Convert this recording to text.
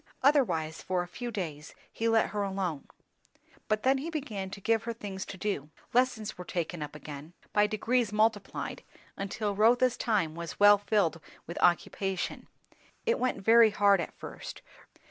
Otherwise for a few days he let her alone. But then he began to give her things to do. Lessons were taken up again, by degrees multiplied, until Rotha's time was well filled with occupation. It went very hard at first.